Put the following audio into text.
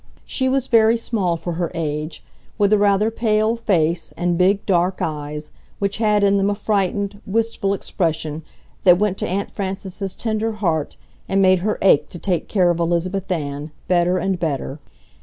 She was very small for her age, with a rather pale face and big dark eyes which had in them a frightened, wistful expression that went to Aunt Frances's tender heart and made her ache to take care of Elizabeth Ann better and better.